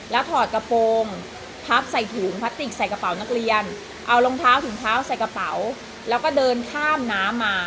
เอารองเท้าถืมเท้าใส่กระเป๋าแล้วก็เดินข้ามน้ำมา